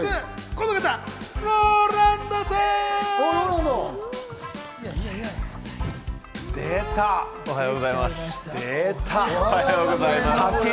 この方、おはようございます。